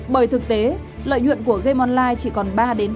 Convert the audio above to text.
bởi thực tế lợi nhuận của game online chỉ còn ba năm